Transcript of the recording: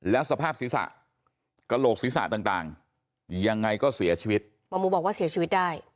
แล้วสภาพศีรษะกระโหลกศีรษะต่างยังไงก็เสียชีวิตหมอหมูบอกว่าเสียชีวิตได้